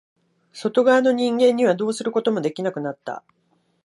外側の人間にはどうすることもできなくなった。